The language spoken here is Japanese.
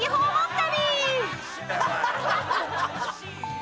旅。